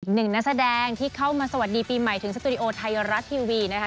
หนึ่งนักแสดงที่เข้ามาสวัสดีปีใหม่ถึงสตูดิโอไทยรัฐทีวีนะคะ